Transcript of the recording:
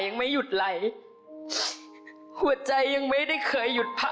ของท่านได้เสด็จเข้ามาอยู่ในความทรงจำของคน๖๗๐ล้านคนค่ะทุกท่าน